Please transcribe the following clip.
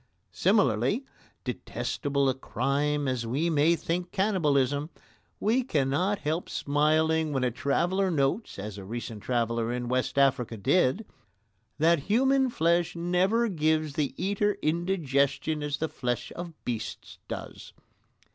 Similarly, detestable a crime as we may think cannibalism, we cannot help smiling when a traveller notes, as a recent traveller in West Africa did, that human flesh never gives the eater indigestion as the flesh of beasts does.